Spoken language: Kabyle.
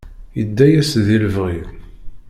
Idda yas di lebɣi.